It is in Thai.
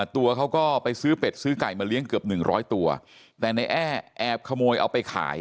ตัวเขาก็ไปซื้อเป็ดซื้อไก่มาเลี้ยงเกือบหนึ่งร้อยตัวแต่ในแอ้แอบขโมยเอาไปขาย